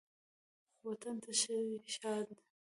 وطنه ته شي ښاد